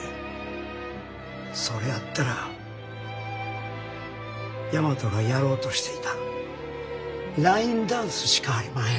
それやったら大和がやろうとしていたラインダンスしかありまへん。